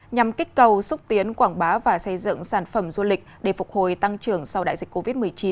nhằm kích cầu xúc tiến quảng bá và xây dựng sản phẩm du lịch để phục hồi tăng trưởng sau đại dịch covid một mươi chín